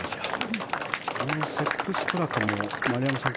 このセップ・ストラカも丸山さん